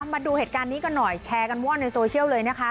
มาดูเหตุการณ์นี้กันหน่อยแชร์กันว่อนในโซเชียลเลยนะคะ